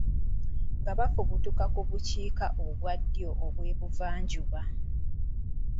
Nga bafubutuka ku bukiika obwa ddyo obw'ebugwanjuba.